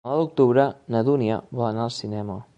El nou d'octubre na Dúnia vol anar al cinema.